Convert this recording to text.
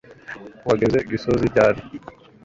wageze gisozi ryari